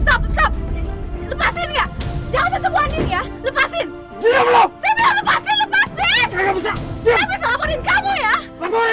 lepasin ya jangan terkeluarin ya lepasin